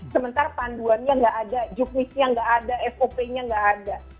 sementara panduannya nggak ada juknisnya nggak ada sop nya nggak ada